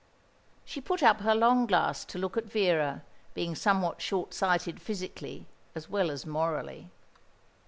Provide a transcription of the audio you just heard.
She put up her long glass to look at Vera, being somewhat short sighted physically as well as morally.